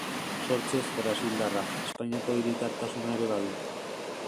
Sortzez brasildarra, Espainiako hiritartasuna ere badu.